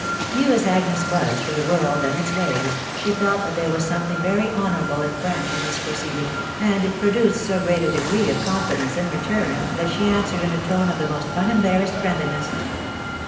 New as Agnes was to the world and its ways, she felt that there was something very honourable and f raxiV Va. ^caa \sw*~ ceeding, and it produced so great a degree oi coxvft&eaaft V* ec te TH« WIDOW BARXABY. 217 return, that she answered in a tone of the most unembarrassed friendliness.